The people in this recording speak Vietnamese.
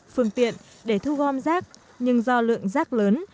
phương tiện để thu gom rác nhưng do lượng rác lớn